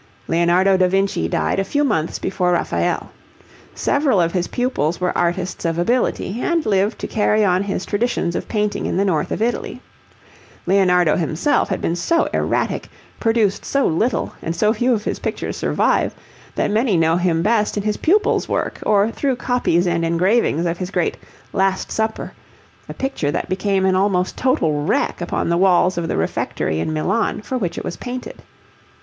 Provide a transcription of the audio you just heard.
Leonardo da Vinci died a few months before Raphael. Several of his pupils were artists of ability, and lived to carry on his traditions of painting in the north of Italy. Leonardo himself had been so erratic, produced so little, and so few of his pictures survive, that many know him best in his pupils' work, or through copies and engravings of his great 'Last Supper' a picture that became an almost total wreck upon the walls of the Refectory in Milan, for which it was painted.